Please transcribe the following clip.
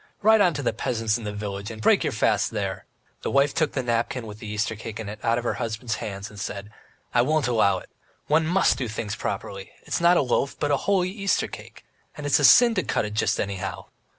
Ride on to the peasants in the village, and break your fast there!" The wife took the napkin with the Easter cake in it out of her husband's hands and said: "I won't allow it! One must do things properly; it's not a loaf, but a holy Easter cake. And it's a sin to cut it just anyhow."